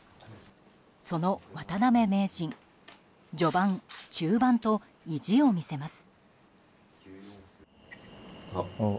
その渡辺名人序盤、中盤と意地を見せます。